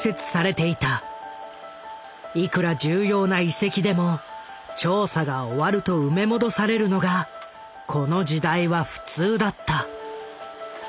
いくら重要な遺跡でも調査が終わると埋め戻されるのがこの時代は普通だった。